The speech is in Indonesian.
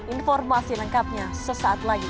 informasi lengkapnya sesaat lagi